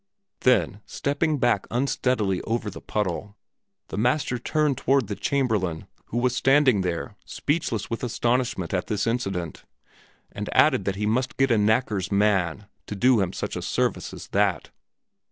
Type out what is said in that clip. Then, stepping back unsteadily over the puddle, the Master turned toward the Chamberlain, who was standing there, speechless with astonishment at this incident, and added that he must get a knacker's man to do him such a service as that.